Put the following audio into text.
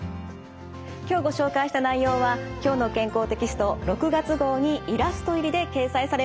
今日ご紹介した内容は「きょうの健康」テキスト６月号にイラスト入りで掲載されます。